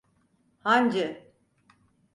Hancı!